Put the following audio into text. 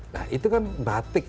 nah itu kan batik